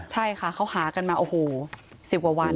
ใช่ค่ะเขาหากันมาโอ้โห๑๐กว่าวัน